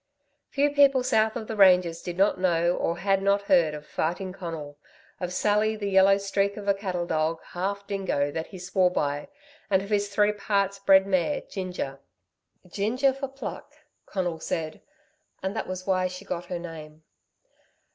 Few people south of the ranges did not know, or had not heard of Fighting Conal, of Sally, the yellow streak of a cattle dog, half dingo, that he swore by, and of his three parts bred mare, Ginger. "Ginger for pluck," Conal said, and that was why she got her name.